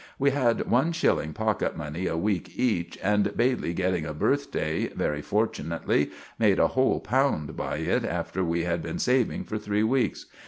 We had one shilling pocket money a week each, and Bailey getting a birthday, very fortunately, made a whole pound by it after we had been saving for three weeks.